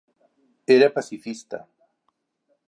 Era pacifista.